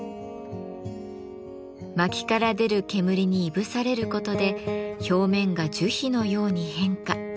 まきから出る煙にいぶされることで表面が樹皮のように変化。